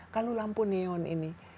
kalau lampu neon ini